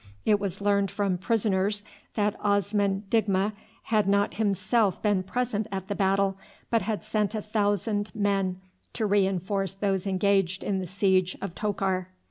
It was learned from prisoners that Osman Digma had not himself been present at the battle, but had sent a thousand men to reinforce those engaged in the siege of Tokar.